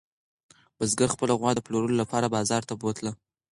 بزګر خپله غوا د پلورلو لپاره بازار ته بوتله.